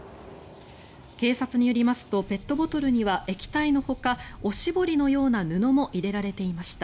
警察によりますとペットボトルには液体のほかおしぼりのような布も入れられていました。